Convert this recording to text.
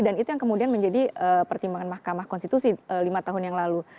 dan itu yang kemudian menjadi pertimbangan mahkamah konstitusi lima tahun yang lalu